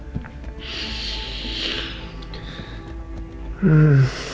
karena silahkan kamu pitik wisdom ini